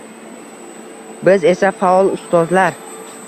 Biz esa faol ustozlar.